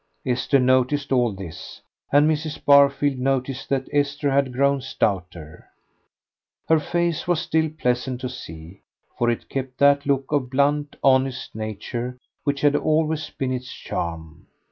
Esther noticed all this, and Mrs. Barfield noticed that Esther had grown stouter. Her face was still pleasant to see, for it kept that look of blunt, honest nature which had always been its charm.